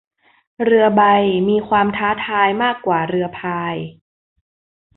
เรือใบมีความท้าทายมากกว่าเรือพาย